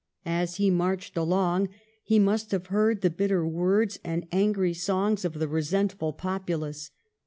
As he marched along he must have heard the bitter words and angry songs of the resentful populace.